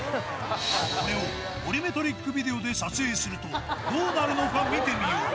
これをボリュメトリックビデオで撮影すると、どうなるのか見てみよう。